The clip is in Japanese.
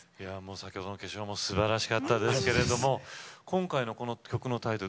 先ほどの「化粧」もすばらしかったですけど今回の曲のタイトル